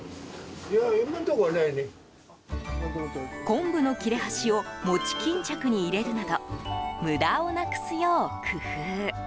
昆布の切れ端をもち巾着に入れるなど無駄をなくすよう工夫。